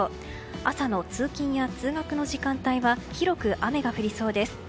朝の通勤や通学の時間帯は広く雨が降りそうです。